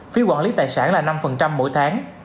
phí quản lý tài sản là năm mỗi tháng